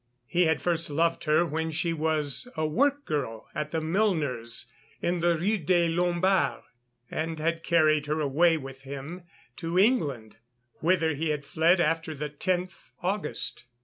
He had first loved her when she was a work girl at a milliner's in the Rue des Lombards, and had carried her away with him to England, whither he had fled after the 10th August.